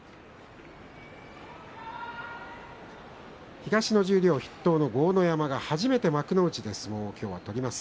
東の十両筆頭の豪ノ山が初めて幕内で相撲を取ります。